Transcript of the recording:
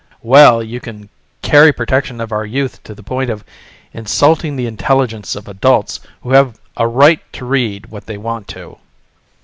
well, you can carry protection of our youth to the point of insulting the intelligence of adults who have a right to read what they want to."